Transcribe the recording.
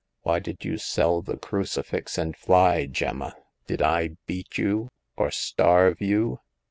Why did you sell the crucifix and fly, Gemma ? Did I beat you, or starve you